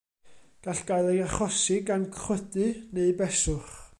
Gall gael ei achosi gan chwydu neu beswch.